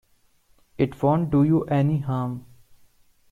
It won't do you any harm.